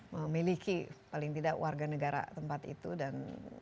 memiliki paling tidak warga negara tempat itu dan